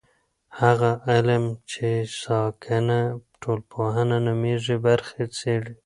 هغه علم چې ساکنه ټولنپوهنه نومیږي برخې څېړي.